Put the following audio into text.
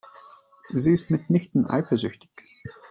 Sie ist mitnichten eifersüchtig.